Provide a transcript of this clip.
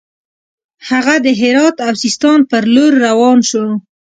هغه د هرات او سیستان پر لور روان شو.